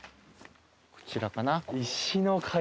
こちらかな。